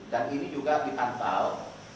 dan ini juga diantau